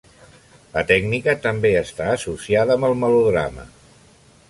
La tècnica també està associada amb el melodrama.